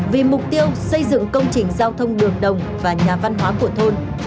vì mục tiêu xây dựng công trình giao thông đường đồng và nhà văn hóa của thôn